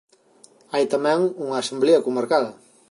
Hai tamén unha Asemblea Comarcal.